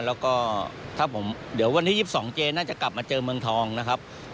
แล้วก็ถ้าผมเดี๋ยววันที่๒๒เจน่าจะกลับมาเจอเมืองทองนะครับ